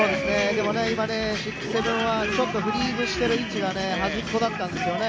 でも今、６７１ちょっとフリーズしている位置が端っこだったんですよね。